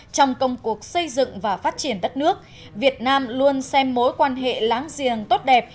trong công cuộc xây dựng và phát triển đất nước việt nam luôn xem mối quan hệ láng giềng tốt đẹp